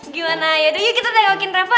gimana aduh yuk kita ninggalkan reva